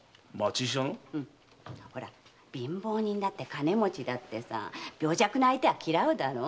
貧乏人も金持ちも病弱な相手は嫌うだろう？